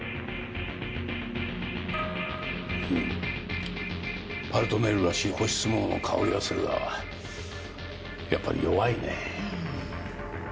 うん「パルトネール」らしい干しスモモの香りはするがやっぱり弱いねぇ。